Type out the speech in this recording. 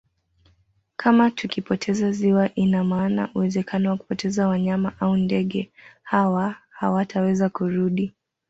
Kama tukipoteza ziwa ina maana uwezekano wa kupoteza wanyama au ndege hawa hawataweza kurudi